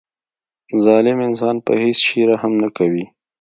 ظالم انسان په هیڅ شي رحم نه کوي.